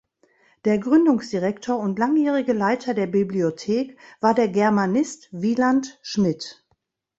Der Gründungsdirektor und langjährige Leiter der Bibliothek war der Germanist Wieland Schmidt.